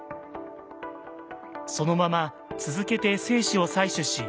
そのまま続けて精子を採取し凍結保存。